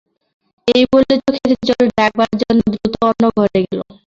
এই বলে চোখের জল ঢাকবার জন্যে দ্রুত অন্য ঘরে গেল।